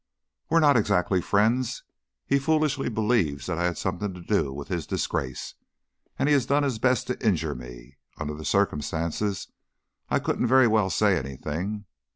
"We're not exactly friends. He foolishly believes that I had something to do with his disgrace, and he has done his best to injure me. Under the circumstances, I couldn't very well say anything.